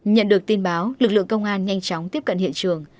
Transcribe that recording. nhận được tin báo lực lượng công an nhanh chóng tiếp cận hiện trường